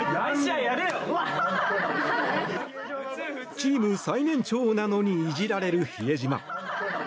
チーム最年長なのにイジられる比江島。